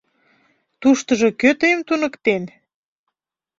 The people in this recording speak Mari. — Туштыжо кӧ тыйым туныктен?